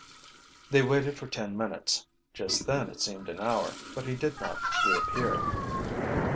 They waited for ten minutes, just then it seemed an hour, but he did not reappear.